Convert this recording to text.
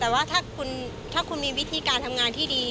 แต่ว่าถ้าคุณมีวิธีการทำงานที่ดี